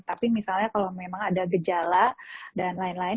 tapi misalnya kalau memang ada gejala dan lain lain